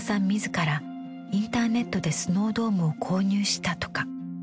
自らインターネットでスノードームを購入したとか。